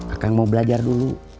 akan mau belajar dulu